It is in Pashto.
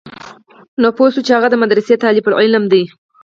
نو پوه سه چې هغه د مدرسې طالب العلم دى.